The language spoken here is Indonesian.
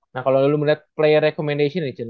nah kalau lo melihat player recommendation nih chen